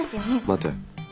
待て。